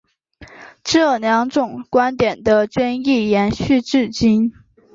这两种观点的争议延续至今。